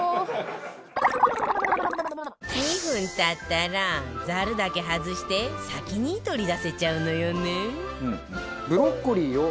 ２分経ったらザルだけ外して先に取り出せちゃうのよね